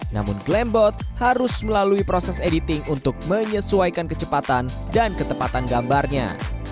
namun glambot harus melalui proses editing untuk menyesuaikan kecepatan dan ketepatan gambarnya